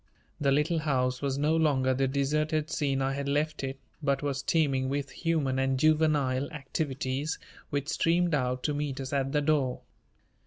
The Little House was no longer the deserted scene I had left it, but was teeming with human and juvenile activities which streamed out to meet us at the door.